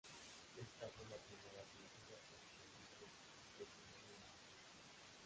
Esta fue la primera pintura que se conoce de Simone Martini.